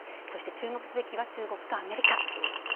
そして、注目すべきは中国とアメリカ。